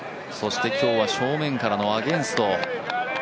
そして今日は正面からのアゲンスト。